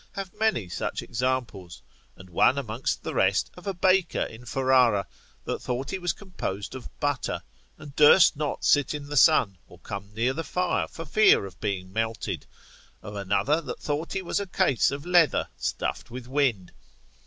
have many such examples, and one amongst the rest of a baker in Ferrara that thought he was composed of butter, and durst not sit in the sun, or come near the fire for fear of being melted: of another that thought he was a case of leather, stuffed with wind.